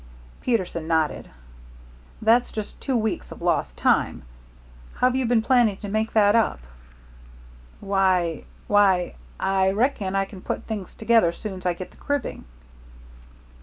Peterson nodded. "That's just two weeks of lost time. How've you been planning to make that up?" "Why why I reckon I can put things together soon's I get the cribbing."